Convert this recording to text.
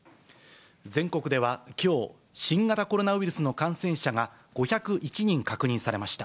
全国ではきょう、新型コロナウイルスの感染者が５０１人確認されました。